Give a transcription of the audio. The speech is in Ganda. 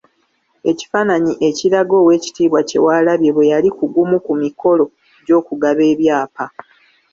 Ekifaananyi ekiraga Oweekitiibwa Kyewalabye bwe yali ku gumu ku mikolo gy’okugaba ebyapa.